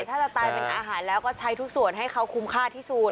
ถ้าจะตายเป็นอาหารแล้วก็ใช้ทุกส่วนให้เขาคุ้มค่าที่สุด